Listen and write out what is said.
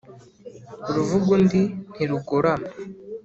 uruvuga undi ntirugorama